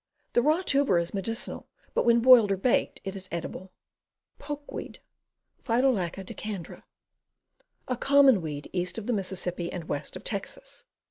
I'he raw tuber is medicinal; but when boiled or baked it is edible. Pokeweed. Phytolacca decandra. A common weed east of the Mississippi and west of Texas.